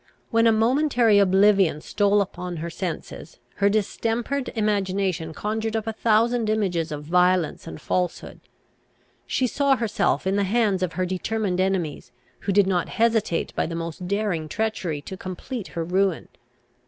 When a momentary oblivion stole upon her senses, her distempered imagination conjured up a thousand images of violence and falsehood; she saw herself in the hands of her determined enemies, who did not hesitate by the most daring treachery to complete her ruin.